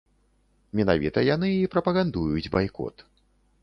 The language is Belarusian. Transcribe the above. Менавіта яны і прапагандуюць байкот.